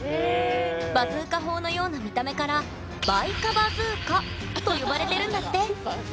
バズーカ砲のような見た目から「梅香バズーカ」と呼ばれてるんだって。